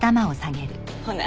ほな。